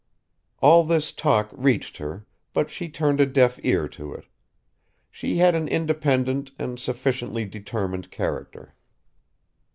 All this talk reached her, but she turned a deaf ear to it; she had an independent and sufficiently determined character.